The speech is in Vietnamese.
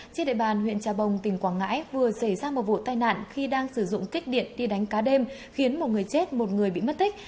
trên địa bàn huyện trà bồng tỉnh quảng ngãi vừa xảy ra một vụ tai nạn khi đang sử dụng kích điện đi đánh cá đêm khiến một người chết một người bị mất tích